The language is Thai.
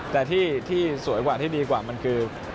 แต่ที่สวยกว่าที่ดีกว่ามันคือ